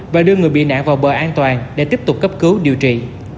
và đưa người bị nạn vào bờ an toàn để tiếp tục cấp cứu điều trị